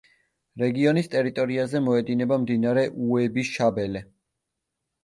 რეგიონის ტერიტორიაზე მოედინება მდინარე უები-შაბელე.